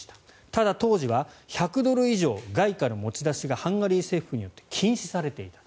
ただ、当時は１００ドル以上外貨の持ち出しがハンガリー政府によって禁止されていた。